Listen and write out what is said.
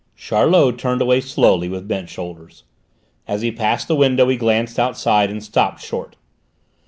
Charlot turned away slowly, with bent shoulders. As he passed the window he glanced outside and stopped short.